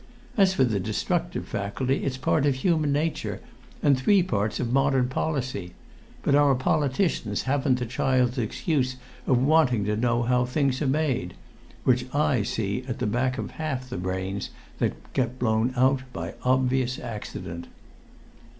As for the destructive faculty, it's part of human nature and three parts of modern policy; but our politicians haven't the child's excuse of wanting to know how things are made which I see at the back of half the brains that get blown out by obvious accident."